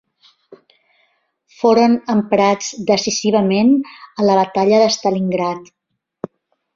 Foren emprats decisivament a la batalla de Stalingrad.